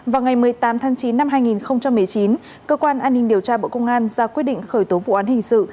vào ngày một mươi tám tháng chín năm hai nghìn một mươi chín cơ quan an ninh điều tra bộ công an ra quyết định khởi tố vụ án hình sự